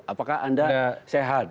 apakah anda sehat